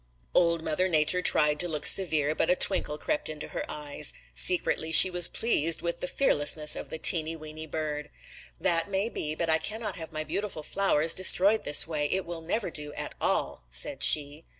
"Old Mother Nature tried to look severe, but a twinkle crept into her eyes. Secretly she was pleased with the fearlessness of the teeny, weeny bird. "'That may be, but I cannot have my beautiful flowers destroyed this way. It will never do at all!' said she.